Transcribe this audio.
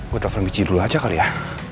gue telepon biji dulu aja kali ya